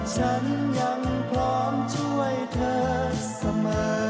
ฉันยังพร้อมช่วยเธอเสมอ